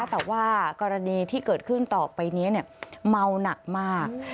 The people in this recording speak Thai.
แต่ว่ากรณีที่เกิดขึ้นต่อไปนี้เมาหนักมาก